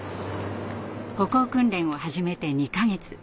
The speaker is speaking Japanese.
歩行訓練を始めて２か月。